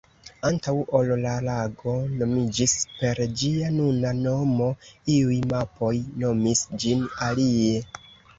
Antaŭ ol la lago nomiĝis per ĝia nuna nomo, iuj mapoj nomis ĝin alie.